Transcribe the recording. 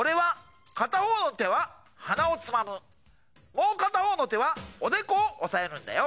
もうかたほうのてはおでこをおさえるんだよ。